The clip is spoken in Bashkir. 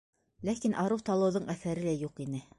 Ләкин арыу-талыуҙың әҫәре лә юҡ ине.